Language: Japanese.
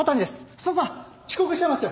さぁさぁ遅刻しちゃいますよ。